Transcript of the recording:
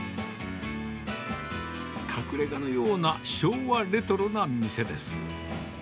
隠れがのような昭和レトロな店です。